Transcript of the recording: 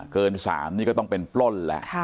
เกิน๓นี่ก็ต้องเป็นปล้นแล้ว